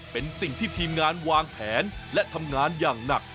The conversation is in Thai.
เป็นสิ่งที่ทีมงานวางแผนและทำงานอย่างหนัก